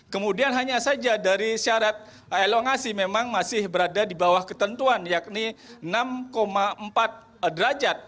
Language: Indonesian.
kemudian hanya saja dari syarat elongasi memang masih berada di bawah ketentuan yakni enam empat derajat